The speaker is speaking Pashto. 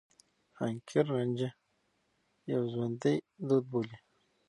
حنکير رانجه يو ژوندي دود بولي.